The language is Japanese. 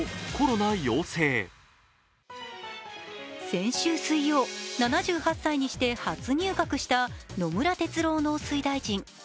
先週水曜、７８歳にして初入閣した野村哲郎農水大臣。